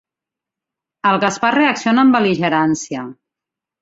El Gaspar reacciona amb bel·ligerància.